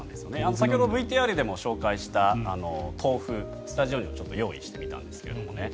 先ほどＶＴＲでも紹介した豆腐スタジオにもちょっと用意してみたんですけどね。